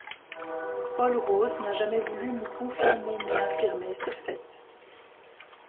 Paul Rose n'a jamais voulu ni confirmer, ni infirmer ce fait.